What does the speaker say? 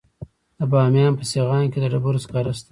د بامیان په سیغان کې د ډبرو سکاره شته.